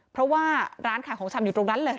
เพราะว่าร้านขายของชำอยู่ตรงนั้นเลย